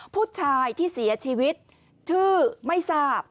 ผู้ชายที่เสียชีวิตชื่อไม่ทราบ